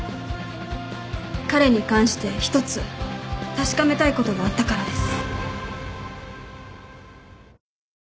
彼に関して一つ確かめたいことがあったからです。